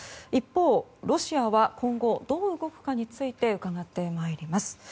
一方、ロシアは今後どう動くかについて伺います。